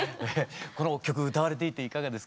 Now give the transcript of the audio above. この曲歌われていていかがですか？